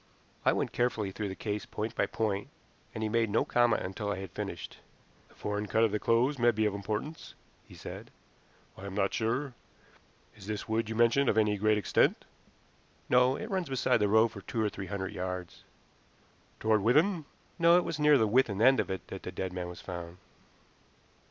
I went carefully through the case point by point, and he made no comment until I had finished. "The foreign cut of the clothes may be of importance," he said. "I am not sure. Is this wood you mention of any great extent?" "No, it runs beside the road for two or three hundred yards." "Toward Withan?" "No; it was near the Withan end of it that the dead man was found."